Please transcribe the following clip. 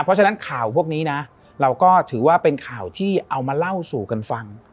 เพราะฉะนั้นข่าวพวกนี้นะเราก็ถือว่าเป็นข่าวที่เอามาเล่าสู่กันฟัง